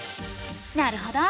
なるほど。